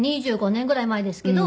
２５年ぐらい前ですけど。